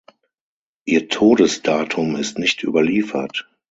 Ihr Todesdatum ist nicht überliefert.